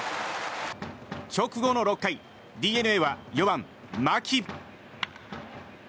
直後の６回ＤｅＮＡは４番、牧。